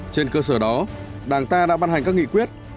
trên cơ sở đó đảng ta đã ban hành các nghị quyết